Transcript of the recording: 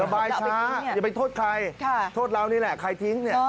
บายช้าอย่าไปโทษใครโทษเรานี่แหละใครทิ้งเนี่ย